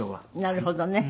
なるほどね。